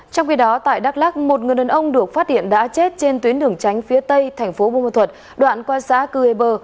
trong khi đó tại đắk lắc một người đàn ông được phát điện đã chết trên tuyến đường tránh phía tây thành phố bùa thuật đoạn qua xã cư ê bơ